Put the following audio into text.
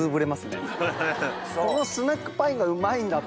このスナックパインがうまいんだと。